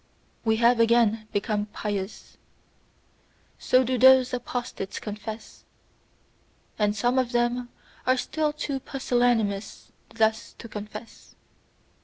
"We have again become pious" so do those apostates confess; and some of them are still too pusillanimous thus to confess.